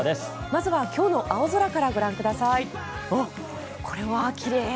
まずは今日の青空からご覧ください。